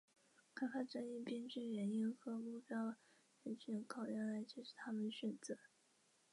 开发者以编剧原因和目标人群考量来解释他们的选择。